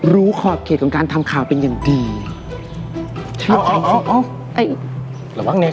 รู้ขอบเขตของการทำข่าวเป็นอย่างดีเอาเอาเอาเอาระวังแน่ก